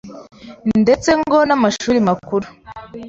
ndetse ngo n’amashuri makuru